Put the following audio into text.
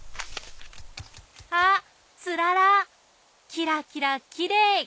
あつららきらきらきれい。